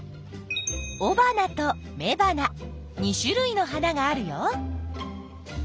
おばなとめばな２種類の花があるよ。